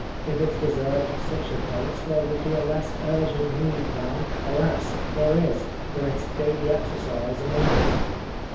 If it deserved such a place there would be less urgent need than, alas! there is for its daily exercise among us.